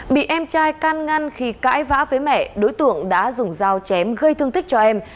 bị em trai can ngăn khi cãi vã với mẹ đối tượng đã dùng dao chém gây thương tích cho em